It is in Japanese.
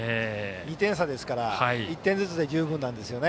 ２点差ですから１点ずつで十分なんです。